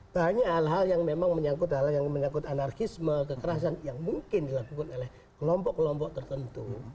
banyak hal hal yang memang menyangkut anarkisme kekerasan yang mungkin dilakukan oleh kelompok kelompok tertentu